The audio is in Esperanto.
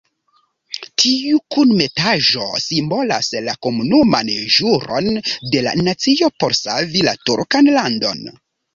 Tiu kunmetaĵo simbolas la komunan ĵuron de la nacio por savi la turkan landon.